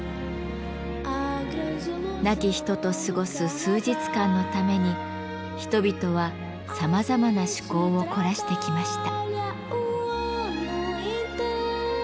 亡き人と過ごす数日間のために人々はさまざまな趣向を凝らしてきました。